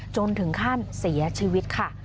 จนถึงขั้นเสียชีวิตค่ะ